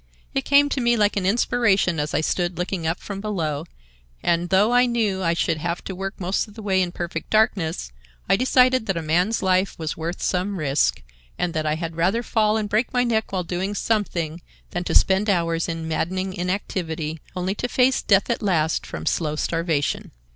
It came to me like an inspiration as I stood looking up from below, and though I knew that I should have to work most of the way in perfect darkness, I decided that a man's life was worth some risk, and that I had rather fall and break my neck while doing something than to spend hours in maddening inactivity, only to face death at last from slow starvation.